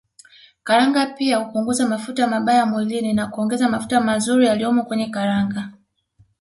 Karanga pia hupunguza mafuta mabaya mwilini na kuongeza mafuta mazuri yaliyomo kwenye karanga